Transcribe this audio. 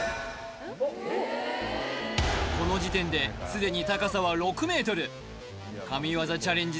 この時点ですでに高さは６ｍ神業チャレンジ